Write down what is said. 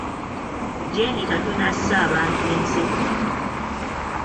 Jeeni katono asse abantu enseko.